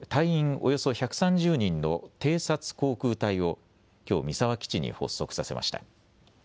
およそ１３０人の偵察航空隊をきょう三沢基地に発足させました。